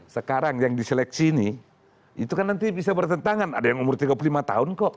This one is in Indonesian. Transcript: sekarang yang diseleksi ini itu kan nanti bisa bertentangan ada yang umur tiga puluh lima tahun kok